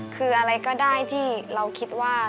คืออะไรก็ได้ที่เราคิดว่า